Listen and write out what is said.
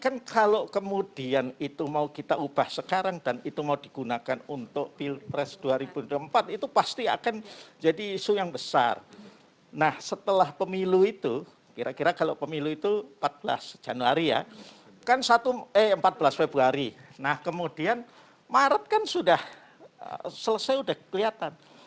nah kemudian maret kan sudah selesai sudah kelihatan